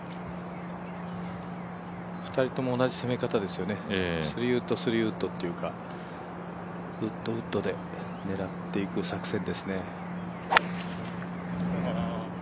２人とも同じ攻め方ですよね、３ウッド、３ウッドというかウッド、ウッドで狙っていく作戦ですね。